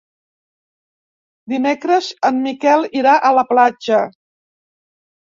Dimecres en Miquel irà a la platja.